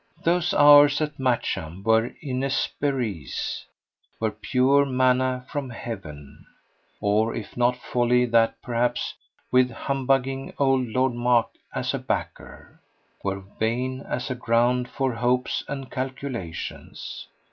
Those hours at Matcham were inesperees, were pure manna from heaven; or if not wholly that perhaps, with humbugging old Lord Mark as a backer, were vain as a ground for hopes and calculations.